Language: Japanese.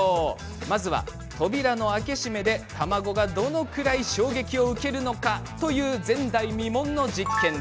まずは扉の開け閉めで卵がどのくらい衝撃を受けるのかという前代未聞の実験。